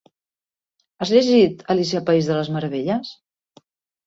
Has llegit Alicia al País de les Meravelles?